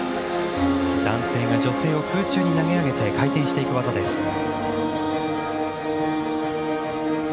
男性が女性を空中に投げ上げて回転していく技です。